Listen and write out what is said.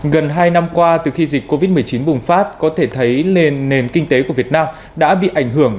gần hai năm qua từ khi dịch covid một mươi chín bùng phát có thể thấy nền kinh tế của việt nam đã bị ảnh hưởng